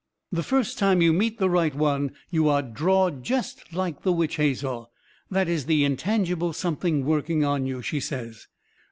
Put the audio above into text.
The first time you meet the right one you are drawed jest like the witch hazel. That is the Intangible Something working on you, she says.